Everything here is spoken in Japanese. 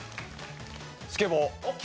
スケボー。